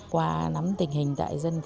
qua nắm tình hình tại dân